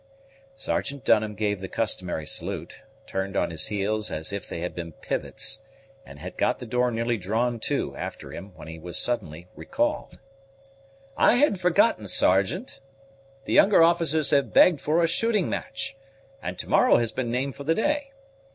Sergeant Dunham gave the customary salute, turned on his heels as if they had been pivots, and had got the door nearly drawn to after him, when he was suddenly recalled. "I had forgotten, Sergeant, the younger officers have begged for a shooting match, and to morrow has been named for the day.